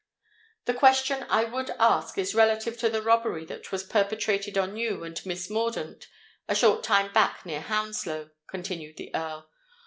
"The question I would ask is relative to the robbery that was perpetrated on you and Miss Mordaunt a short time back near Hounslow," continued the Earl.